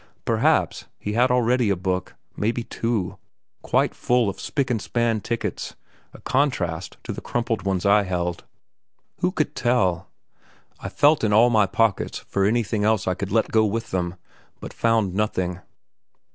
Perhaps, he had already a book, maybe two, quite full of spick and span tickets, a contrast to the crumpled ones I held. Who could tell? I felt in all my pockets for anything else I could let go with them, but found nothing.